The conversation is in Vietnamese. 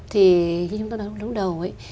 thì như chúng ta nói lúc đầu ấy